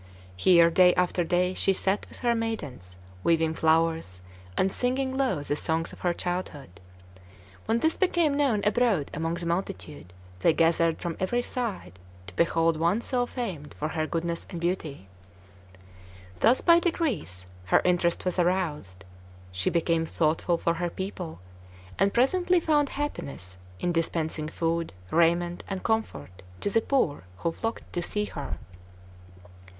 Here, day after day, she sat with her maidens, weaving flowers, and singing low the songs of her childhood. When this became known abroad among the multitude, they gathered from every side to behold one so famed for her goodness and beauty. Thus by degrees her interest was aroused. She became thoughtful for her people, and presently found happiness in dispensing food, raiment, and comfort to the poor who flocked to see her.